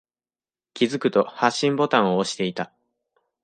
気づくと、発信ボタンを押していた。